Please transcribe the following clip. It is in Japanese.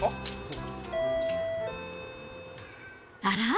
あら？